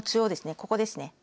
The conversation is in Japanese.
ここですね。